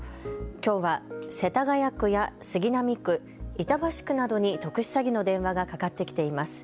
きょうは世田谷区や杉並区、板橋区などに特殊詐欺の電話がかかってきています。